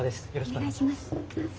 お願いします。